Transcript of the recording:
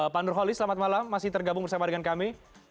pak nurholis selamat malam masih tergabung bersama dengan kami